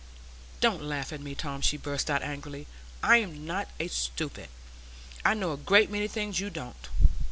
"Don't laugh at me, Tom!" she burst out angrily; "I'm not a stupid. I know a great many things you don't."